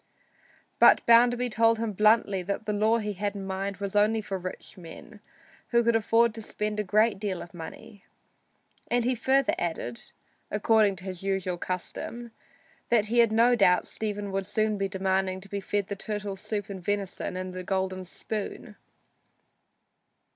But Bounderby told him bluntly that the law he had in mind was only for rich men, who could afford to spend a great deal of money. And he further added (according to his usual custom) that he had no doubt Stephen would soon be demanding the turtle soup and venison and the golden spoon.